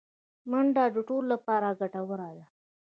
منډه د ټولو لپاره ګټوره ده